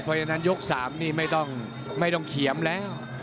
เพราะฉะนั้นยก๓นี่ไม่ต้องเขียมแล้ว